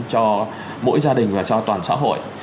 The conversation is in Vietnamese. cho mỗi gia đình và cho toàn xã hội